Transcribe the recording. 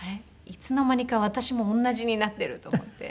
いつの間にか私も同じになっていると思って。